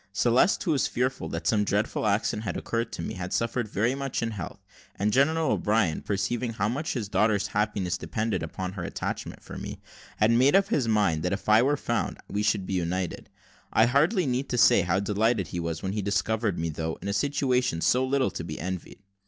Celeste, who was fearful that some dreadful accident had occurred to me, had suffered very much in health, and General O'Brien, perceiving how much his daughter's happiness depended upon her attachment for me, had made up his mind that if I were found, we should be united. I hardly need say how delighted he was when he discovered me, though in a situation so little to be envied.